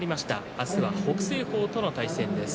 明日は北青鵬との対戦です。